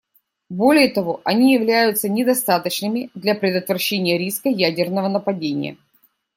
Более того, они являются недостаточными для предотвращения риска ядерного нападения.